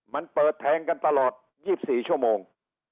มันเปิดแทงกันตลอด๒๔ชั่วโมง